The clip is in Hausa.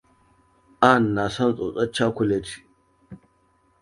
Ann na son tsotsar cakuleti.